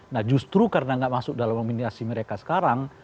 nah justru karena nggak masuk dalam nominasi mereka sekarang